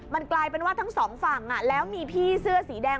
มันกลายเป็นว่าทั้งสองฝั่งแล้วมีพี่เสื้อสีแดง